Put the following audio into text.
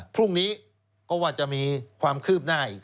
พรุ่งนี้ก็ว่าจะมีความคืบหน้าอีก